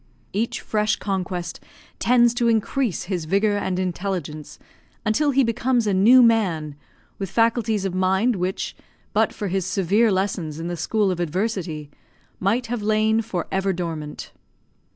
Each fresh conquest tends to increase his vigour and intelligence, until he becomes a new man, with faculties of mind which, but for his severe lessons in the school of adversity, might have lain for ever dormant.